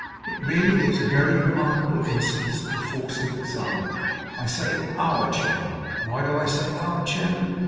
It really is a very remarkable instance of the force of example. I say OUR chairman. Why do I say our chairman?